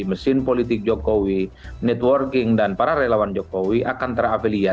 mesin politik jokowi networking dan para relawan jokowi akan terafiliasi